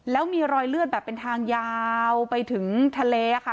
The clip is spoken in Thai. แล้วมีรอยเลือดแบบเป็นทางยาวไปถึงทะเลค่ะ